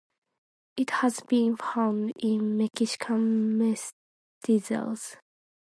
It has been found in Mexican mestizos.